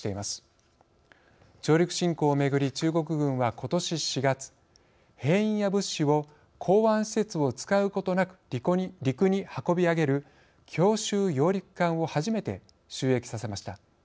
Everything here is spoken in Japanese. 上陸侵攻をめぐり中国軍はことし４月兵員や物資を港湾施設を使うことなく陸に運び上げる強襲揚陸艦を初めて就役させました。